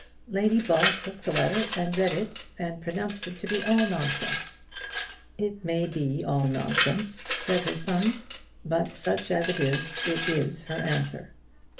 Lady Ball took the letter and read it, and pronounced it to be all nonsense. "It may be all nonsense," said her son; "but such as it is, it is her answer."